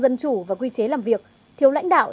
dân chủ và quy chế làm việc thiếu lãnh đạo